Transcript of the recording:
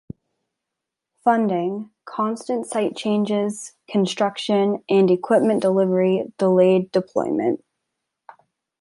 Funding, constant site changes, construction, and equipment delivery delayed deployment.